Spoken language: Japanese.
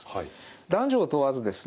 男女を問わずですね